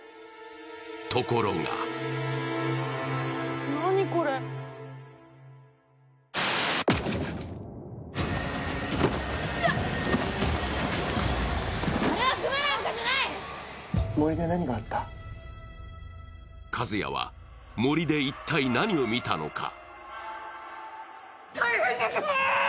ところが一也は、森で一体何を見たのか。